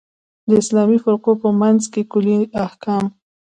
د اسلامي فرقو په منځ کې کُلي احکام.